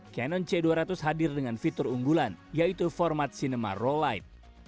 canon c dua ratus hadir dengan fitur unggulan yaitu format cinema rollight